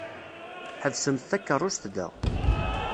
Ḥebsemt takeṛṛust da!